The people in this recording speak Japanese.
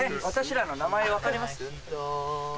私らの名前分かります？